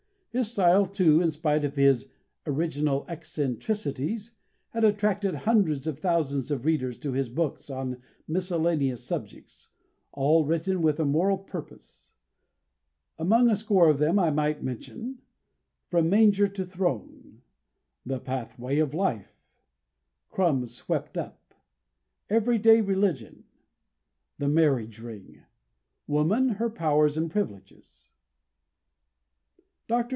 His style, too, in spite of his "original eccentricities," had attracted hundreds of thousands of readers to his books on miscellaneous subjects all written with a moral purpose. Among a score of them I might mention: From Manger to Throne; The Pathway of Life; Crumbs Swept Up; Every day Religion; The Marriage Ring; Woman: her Powers and Privileges. Dr.